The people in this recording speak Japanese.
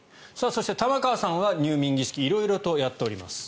そして、玉川さんは入眠儀式色々とやっております。